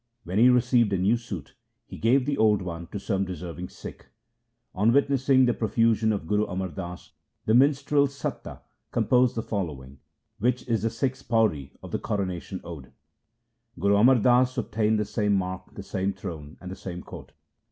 When he received a new suit he gave the old one to some deserving Sikh. On witnessing the profusion of Guru Amar Das the minstrel Satta composed the following, which is the sixth pauri of the Coronation Ode :— Guru Amar Das obtained the same mark, the same throne, and the same court.